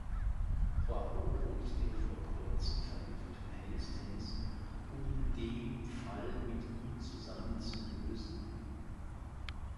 Poirot holt den vor Kurzem verwitweten Hastings, um dem Fall mit ihm zusammen zu lösen.